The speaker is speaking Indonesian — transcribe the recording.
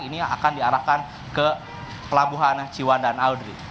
ini akan diarahkan ke pelabuhan ciwandan aldri